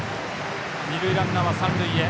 二塁ランナーは三塁へ。